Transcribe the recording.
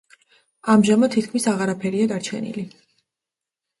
ამჟამად თითქმის აღარაფერია დარჩენილი.